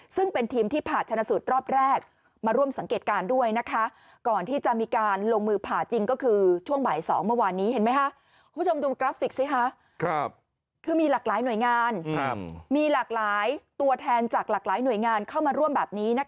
ซึ่งเป็นทีมที่ผ่าชนะสุดรอบแรกมาร่วมสังเกตการณ์ด้วยนะคะ